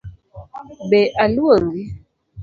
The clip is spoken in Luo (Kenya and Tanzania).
Be aluongi?